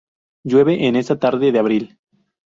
Llueve en esta tarde de abril